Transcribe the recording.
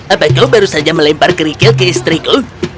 apa kau baru saja melempar kerikil ke istriku